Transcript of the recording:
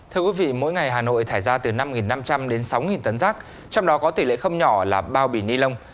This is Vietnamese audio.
thưa quý vị mỗi ngày hà nội thải ra từ năm năm trăm linh đến sáu tấn rác trong đó có tỷ lệ không nhỏ là bao bì ni lông